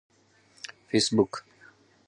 فیسبوک